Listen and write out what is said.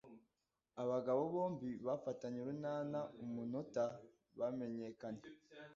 abagabo bombi bafatanye urunana umunota bamenyekanye